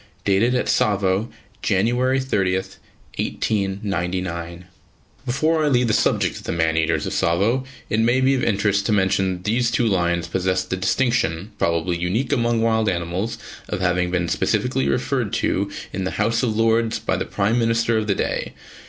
Dated at Tsavo, January 30, 1899. Before I leave the subject of "the man eaters of Tsavo," it may be of interest to mention that these two lions possess the distinction, probably unique among wild animals, of having been specifically referred to in the House of Lords by the Prime Minister of the day.